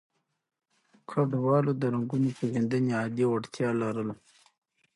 ګډونوالو د رنګونو پېژندنې عادي وړتیا لرله.